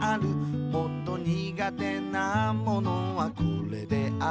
「もっと苦手なものはこれである」